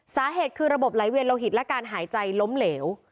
สาเหตุคือระบบไหลเวียนโลหิตและการหายใจล้มเหลว